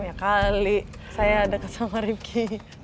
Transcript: ya kali saya deket sama rifqi